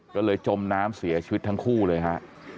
ก็เลยจมน้ำเสียชีวิตทั้งคู่เลยฮะ